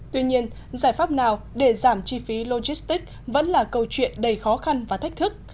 tuy nhiên giải pháp nào để giảm chi phí logistics vẫn là câu chuyện đầy khó khăn và thách thức